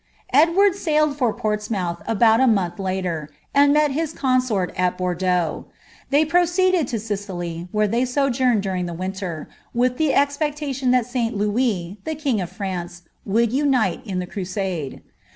* Edward sailed from Portsmouth about a month later, and met l)i^ consort at Botdeaux ; ihey proceeiled to Sicily, where they sojnuTtwI during the winter, »viih the expectation tlial SL Louis, ilie king of Fninet. rould unite in the crusade.